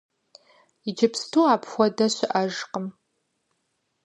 Иджыпсту апхуэдэ щыӀэжкъым.